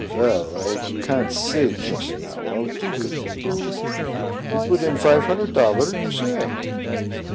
"Vell, I can't say shust now; I'll dink of him. You put in fife hunnard dollar, you say?"